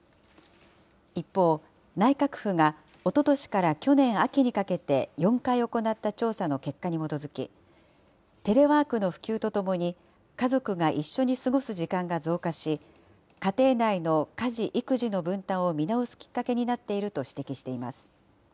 一方、内閣府がおととしから去年秋にかけて４回行った調査の結果に基づき、テレワークの普及とともに家族が一緒に過ごす時間が増加し、家庭内の家事・育児の分担を見直すきっかけになっていると指摘しています。